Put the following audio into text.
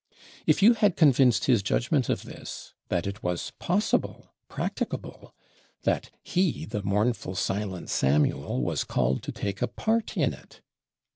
If you had convinced his judgment of this; that it was possible, practicable; that he the mournful silent Samuel was called to take a part in it!